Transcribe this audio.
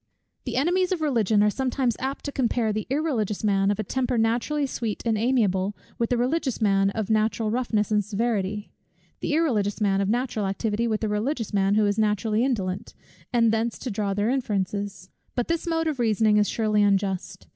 The enemies of Religion are sometimes apt to compare the irreligious man, of a temper naturally sweet and amiable, with the religious man of natural roughness and severity; the irreligious man of natural activity, with the religious man who is naturally indolent; and thence to draw their inferences. But this mode of reasoning is surely unjust.